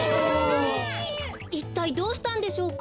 いったいどうしたんでしょうか？